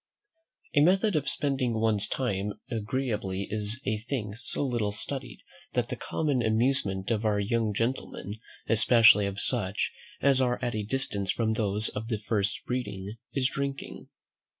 A method of spending one's time agreeably is a thing so little studied, that the common amusement of our young gentlemen, especially of such as are at a distance from those of the first breeding, is Drinking.